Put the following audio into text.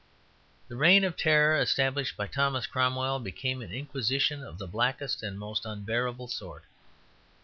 The reign of terror established by Thomas Cromwell became an Inquisition of the blackest and most unbearable sort.